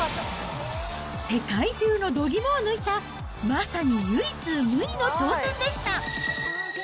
世界中の度肝を抜いた、まさに唯一無二の挑戦でした。